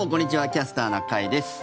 「キャスターな会」です。